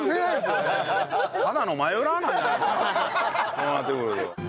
こうなってくると。